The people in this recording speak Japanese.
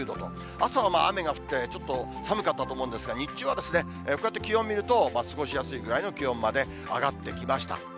朝は雨が降って、ちょっと寒かったと思うんですが、日中はこうやって気温見ると、過ごしやすいぐらいの気温まで上がってきました。